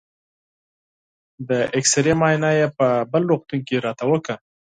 د اېکسرې معاینه یې په بل روغتون کې راته وکړه.